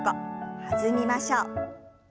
弾みましょう。